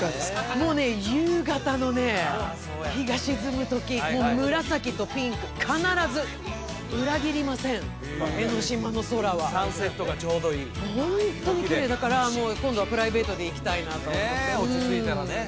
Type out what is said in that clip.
もうね夕方のね日が沈むときもう紫とピンク必ず江の島の空はサンセットがちょうどいいホントにきれいだから今度はプライベートで行きたいなと思ってねえ